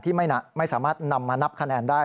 ที่ไม่สามารถนำมานับคะแนนได้